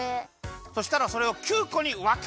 そしたらそれを９こにわけました。